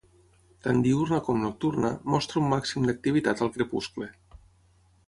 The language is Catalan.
Tant diürna com nocturna, mostra un màxim d'activitat al crepuscle.